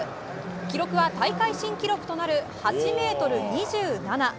記録は大会新記録となる８ｍ２７。